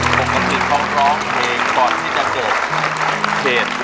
ปกติเขาร้องเพลงก่อนที่จะเกิดเหตุ